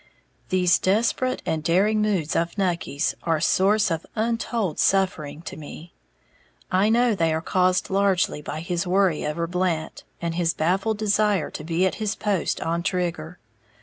These desperate and daring moods of Nucky's are source of untold suffering to me. I know they are caused largely by his worry over Blant, and his baffled desire to be at his post on Trigger.